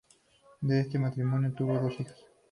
De este matrimonio tuvo dos hijas.